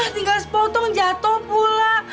tinggal sepotong jatoh pula